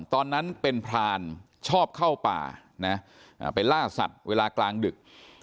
ตอนนั้นเป็นพรานชอบเข้าป่านะไปล่าสัตว์เวลากลางดึก